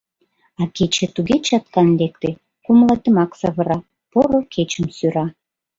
А кече туге чаткан лекте — кумылетымак савыра, поро кечым сӧра.